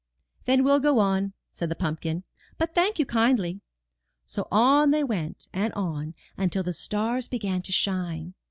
'Then we'll go on," said the pumpkin, "but thank you kindly." So on they went, and on, until the stars began to shine.